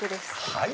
はい。